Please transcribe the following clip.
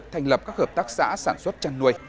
thành lập các hợp tác xã sản xuất chăn nuôi